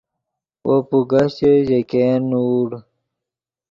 وو پوگہ ژے، ژے ګین نوڑ